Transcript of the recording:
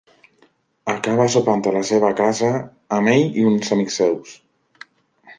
Acaba sopant a la seva casa amb ell i uns amics seus.